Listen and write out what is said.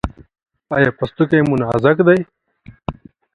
ایا پوستکی مو نازک دی؟